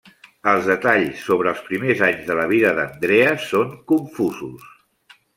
Els detalls sobre els primers anys de la vida d'Andrea són confusos.